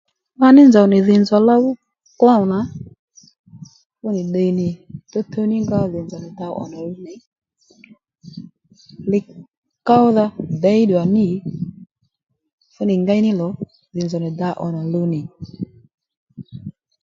Kpaní nzòw nì dhì nzòw low klôw nà fúnì ddi nì tǔwtǔw ní nga dhì nzòw nì dǎ òmà luw li kówdha děy ddùyà ní nì fúnì ngéy ní lò dhì nzòw nì dǎ òmà luw nì